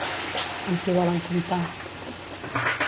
Amb qui volen comptar?